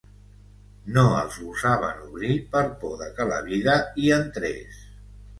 No els gosaven obrir per por de que la vida hi entrés